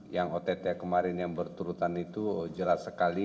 yang ott kemarin yang berturutan itu jelas sekali